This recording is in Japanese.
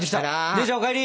姉ちゃんお帰り！